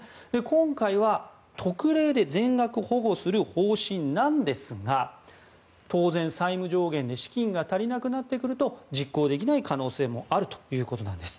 今回は特例で全額保護する方針なんですが当然、債務上限で資金が足りなくなってくると実行できない可能性もあるということなんです。